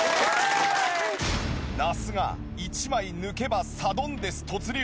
那須が１枚抜けばサドンデス突入。